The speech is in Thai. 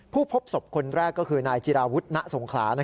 พบศพคนแรกก็คือนายจิราวุฒณสงขลา